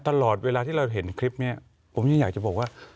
ตลอดเวลาที่เราเห็นคลิปนี้ผมยังอยากจะบอกว่า